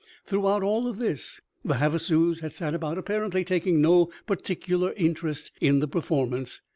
Throughout all of this the Havasus had sat about apparently taking no particular interest in the performance.